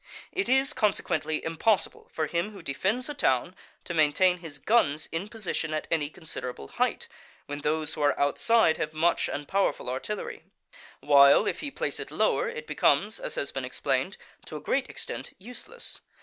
It is consequently impossible for him who defends a town to maintain his guns in position at any considerable height, when those who are outside have much and powerful artillery; while, if he place it lower, it becomes, as has been explained, to a great extent useless.